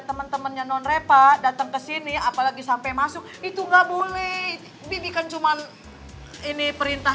temen temennya non repa datang kesini apalagi sampai masuk itu enggak boleh bibi kan cuman ini perintah